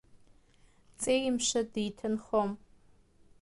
Ҵеи-мшы диҭынхом.